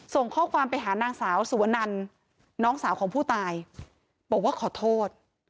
ส่งข้อความไปหานางสาวสุวนันน้องสาวของผู้ตายบอกว่าขอโทษ